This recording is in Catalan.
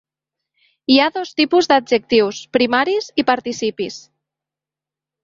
Hi ha dos tipus d'adjectius: primaris i participis.